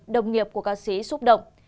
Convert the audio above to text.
đồng nghiệp của ca sĩ xúc động